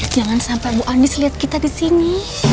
jangan sampai bu andis lihat kita disini